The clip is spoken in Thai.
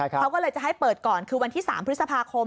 เขาก็เลยจะให้เปิดก่อนคือวันที่๓พฤษภาคม